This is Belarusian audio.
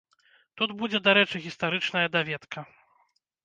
Тут будзе дарэчы гістарычная даведка.